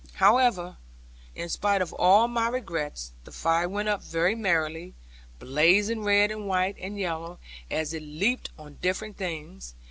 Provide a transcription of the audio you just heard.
However, in spite of all my regrets, the fire went up very merrily, blazing red and white and yellow, as it leaped on different things.